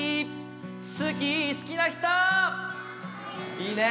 いいね。